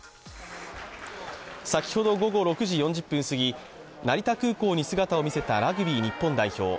先ほど午後６時４０分すぎ成田空港に姿を見せたラグビー日本代表。